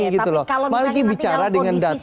maka lagi bicara dengan data dan fakta